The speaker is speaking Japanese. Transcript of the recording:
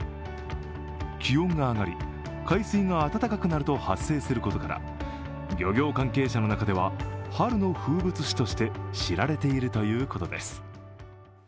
気温が上がり、海水が温かくなると発生することから漁業関係者の中では、春の風物詩として知られているということです。